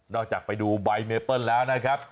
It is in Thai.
จากไปดูใบเมเปิ้ลแล้วนะครับ